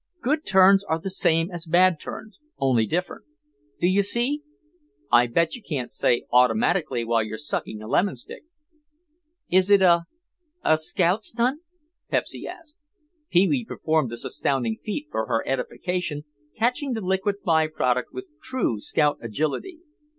"Good turns are the same as bad turns, only different. Do you see? I bet you can't say automatically while you're sucking a lemon stick." "Is it a—a scout stunt?" Pepsy asked. Pee wee performed this astounding feat for her edification, catching the liquid by product with true scout agility.